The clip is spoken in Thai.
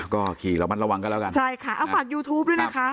ก็ขี่ระมัดระวังกันแล้วกันใช่ค่ะเอาฝากยูทูปด้วยนะคะ